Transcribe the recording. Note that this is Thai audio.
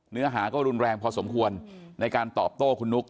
เนื้อหาก็รุนแรงพอสมควรในการตอบโต้คุณนุ๊ก